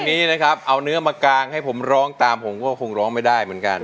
นี่และน้องน้องและน้อง